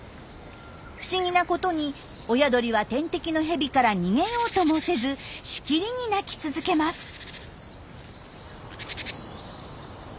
不思議なことに親鳥は天敵のヘビから逃げようともせずしきりに鳴き続けます。